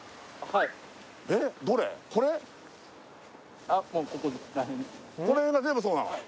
これこの辺が全部そうなの？